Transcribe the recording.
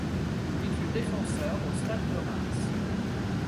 Il fut défenseur au Stade de Reims.